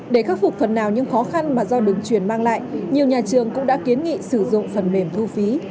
để khắc phục phần nào những khó khăn mà do đường truyền mang lại nhiều nhà trường cũng đã kiến nghị sử dụng phần mềm thu phí